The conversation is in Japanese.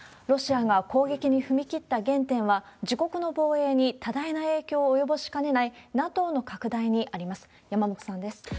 ロシアが攻撃に踏み切った原点は、自国の防衛に多大な影響を及ぼしかねないＮＡＴＯの拡大にあります。